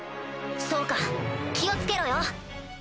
そうか気を付けろよ。